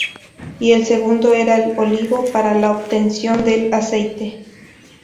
Y el segundo era el olivo para la obtención del aceite.